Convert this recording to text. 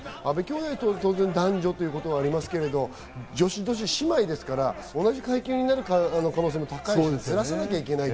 男女ということはありますけど、女子同士で姉妹ですから、同じ階級になる可能性も高いですし、ずらさなきゃいけない。